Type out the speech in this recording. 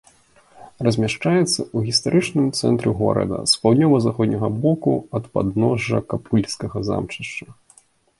Размяшчаецца ў гістарычным цэнтры горада з паўднёва-заходняга боку ад падножжа капыльскага замчышча.